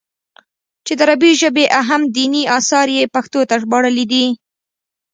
چې د عربي ژبې اهم ديني اثار ئې پښتو ته ژباړلي دي